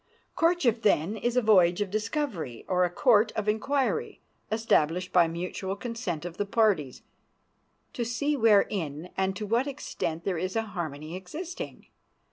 Courtship, then, is a voyage of discovery or a court of inquiry, established by mutual consent of the parties, to see wherein and to what extent there is a harmony existing.